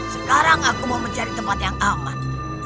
sekarang aku mau mencari tempat yang aman